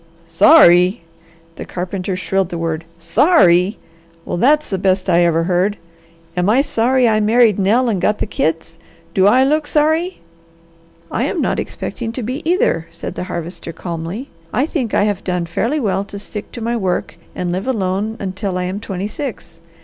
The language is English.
"Sorry!" the carpenter shrilled the word. "Sorry! Well that's the best I ever heard! Am I sorry I married Nell and got the kids? Do I look sorry?" "I am not expecting to be, either," said the Harvester calmly. "I think I have done fairly well to stick to my work and live alone until I am twenty six.